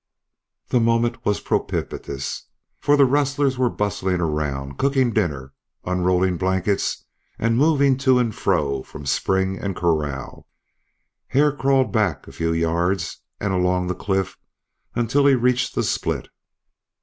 The moment was propitious, for the rustlers were bustling around, cooking dinner, unrolling blankets, and moving to and fro from spring and corral. Hare crawled back a few yards and along the cliff until he reached the split.